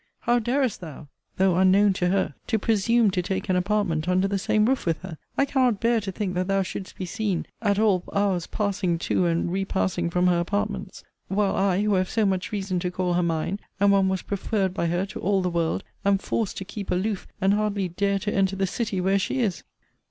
How darest thou, (though unknown to her,) to presume to take an apartment under the sane roof with her? I cannot bear to think that thou shouldest be seen, at all hours passing to and repassing from her apartments, while I, who have so much reason to call her mine, and one was preferred by her to all the world, am forced to keep aloof, and hardly dare to enter the city where she is!